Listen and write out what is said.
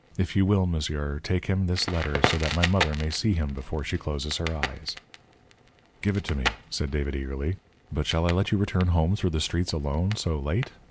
If you will, monsieur, take him this letter so that my mother may see him before she closes her eyes." "Give it me," said David, eagerly. "But shall I let you return home through the streets alone so late?